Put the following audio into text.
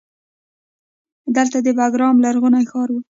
دلته د بیګرام لرغونی ښار و